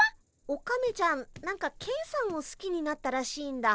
オカメちゃん何かケンさんをすきになったらしいんだ。